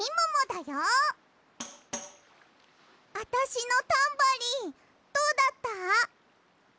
あたしのタンバリンどうだった？